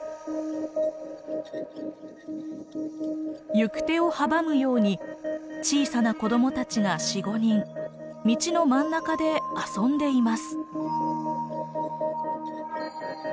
行く手を阻むように小さな子どもたちが４５人道の真ん中で遊んでいます。